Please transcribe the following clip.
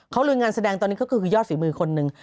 เขาลุยงานแสดงตอนนี้ก็คือยอดฝีมือคนหนึ่ง